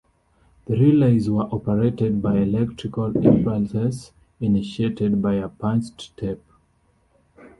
The relays were operated by electrical impulses initiated by a punched tape.